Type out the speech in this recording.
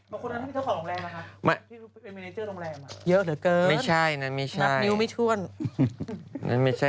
บางคนนะชิคกี้พายขอหลงแรมละค่ะ